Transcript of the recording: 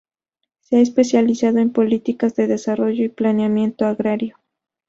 Se ha especializado en políticas de desarrollo y planeamiento agrario.